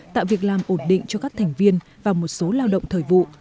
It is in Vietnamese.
tạo việc làm ổn định cho các thành viên và một số lao động thời vụ